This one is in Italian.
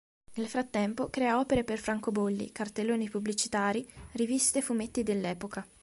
Nel frattempo crea opere per francobolli, cartelloni pubblicitari, riviste e fumetti dell'epoca.